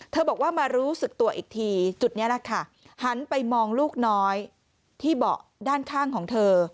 บอกว่ามารู้สึกตัวอีกทีจุดนี้แหละค่ะหันไปมองลูกน้อยที่เบาะด้านข้างของเธอ